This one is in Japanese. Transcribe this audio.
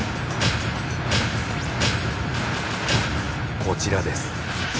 こちらです。